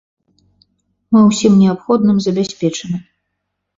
Мы ўсім неабходным забяспечаны.